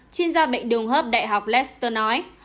chuyên gia bệnh đường hợp đại học leicester nói